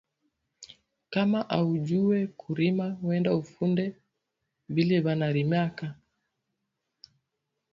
Kama aujuwe ku rima wende ufunde vile bana rimaka